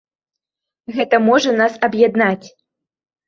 Гэта можа нас аб'яднаць.